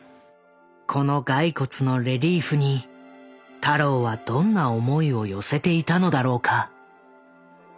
この骸骨のレリーフに太郎はどんな思いを寄せていたのだろうか。